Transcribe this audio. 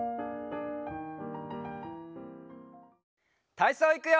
たいそういくよ！